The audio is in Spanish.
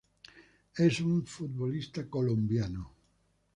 Es un futbolista colombiano.